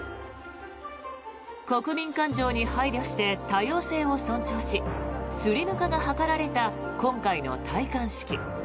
国民感情に配慮して多様性を尊重しスリム化が図られた今回の戴冠式。